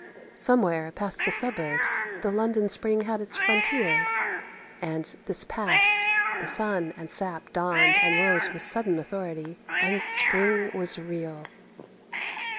Somewhere, past the suburbs, the London spring had its frontier, and, this past, the sun and the sap dawned and rose with sudden authority, and spring was real.